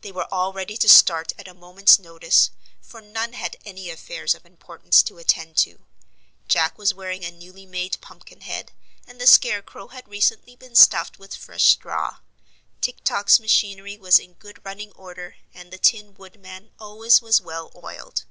They were all ready to start at a moment's notice, for none had any affairs of importance to attend to. Jack was wearing a newly made Pumpkin head and the Scarecrow had recently been stuffed with fresh straw. Tik Tok's machinery was in good running order and the Tin Woodman always was well oiled.